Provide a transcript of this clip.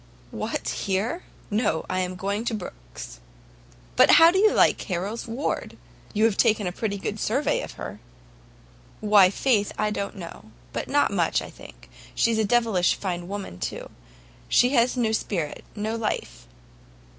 "What, here? No, I am going to Brookes's." "But how do you like Harrel's ward? You have taken a pretty good survey of her." "Why, faith, I don't know; but not much, I think; she's a devilish fine woman, too; but she has no spirit, no life."